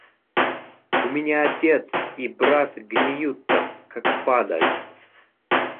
У меня отец и брат гниют там, как падаль.